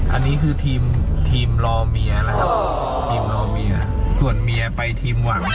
อันนี้คือทีมรอเมียมีส่วนเมียไปทีมหวัง